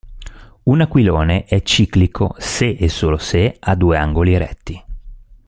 Un aquilone è ciclico se e solo se ha due angoli retti.